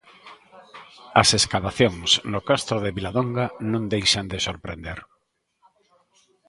As escavacións no castro de Viladonga non deixan de sorprender.